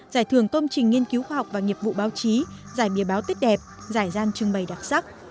giải thưởng công trình nghiên cứu khoa học và nghiệp vụ báo chí giải bìa báo tuyết đẹp giải gian trưng bày đặc sắc